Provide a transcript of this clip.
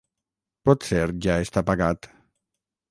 Potser ja està pagat.